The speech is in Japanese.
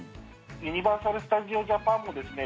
ユニバーサル・スタジオ・ジャパンもですね